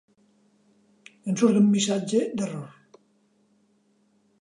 Em surt un missatge d'error.